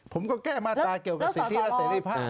ผมก็แก้มาตราเกี่ยวกับสิ่งที่แสดงใบไป